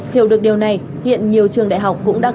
hiểu được điều này hiện nhiều trường đại học cũng đặc biệt